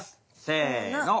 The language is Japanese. せの。